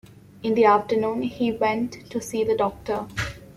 In the afternoon he went to see the doctor.